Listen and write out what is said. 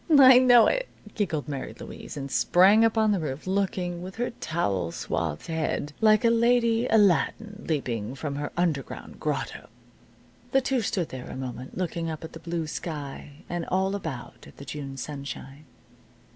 "I know it," giggled Mary Louise, and sprang up on the roof, looking, with her towel swathed head, like a lady Aladdin leaping from her underground grotto. The two stood there a moment, looking up at the blue sky, and all about at the June sunshine.